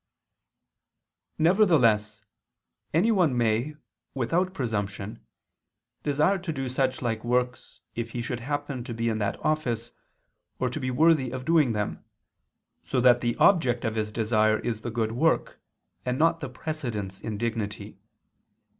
Nevertheless, anyone may, without presumption, desire to do such like works if he should happen to be in that office, or to be worthy of doing them; so that the object of his desire is the good work and not the precedence in dignity.